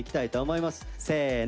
せの。